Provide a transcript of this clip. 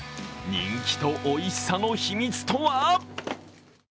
人気とおいしさの秘密とは？